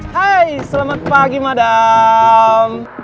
hai selamat pagi madam